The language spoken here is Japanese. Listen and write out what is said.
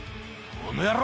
この野郎！